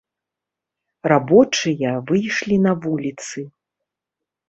Рабочыя выйшлі на вуліцы.